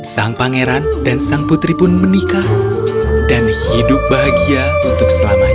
sang pangeran dan sang putri pun menikah dan hidup bahagia untuk selamanya